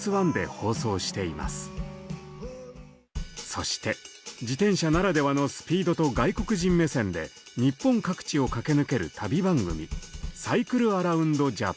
そして自転車ならではのスピードと外国人目線で日本各地を駆け抜ける旅番組「ＣＹＣＬＥＡＲＯＵＮＤＪＡＰＡＮ」。